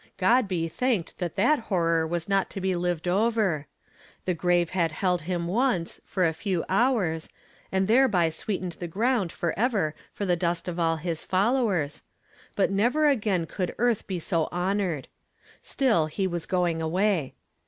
God be thanked that that horror was not to be lived over ! The grave had held him once, for a few hours, and thereby sweetened the ground forever for the dust of all his followers, but never again could earth be so honored : still, he was going away.